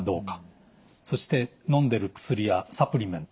そしてのんでる薬やサプリメント。